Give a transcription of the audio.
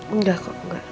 enggak kok enggak